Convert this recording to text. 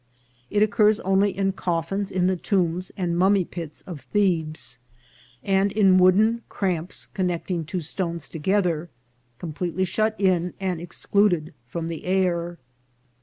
It occurs only in coffins in the tombs and mummy pits of Thebes, and in wooden cramps connecting two stones together, completely shut in and excluded from the air.